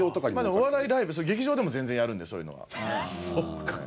お笑いライブ劇場でも全然やるんでそういうのは。